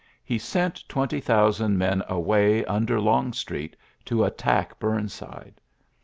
He sent twenty thousand men away under Long street to attack Burnside.